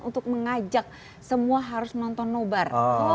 untuk mengajak semua harus nonton nobar